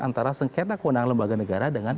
antara sengketa kewenangan lembaga negara dengan